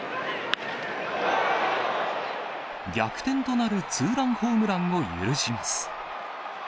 逆転となるツーランホームランを許します。